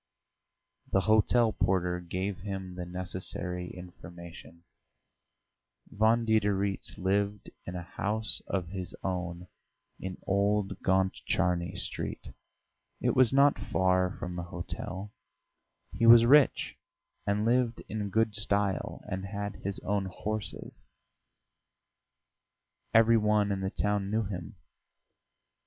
The hotel porter gave him the necessary information; Von Diderits lived in a house of his own in Old Gontcharny Street it was not far from the hotel: he was rich and lived in good style, and had his own horses; every one in the town knew him.